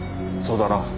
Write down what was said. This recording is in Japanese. そうだな。